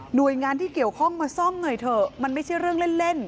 โดยงานที่เกี่ยวข้องมาซ่อมหน่อยเถอะมันไม่ใช่เรื่องเล่น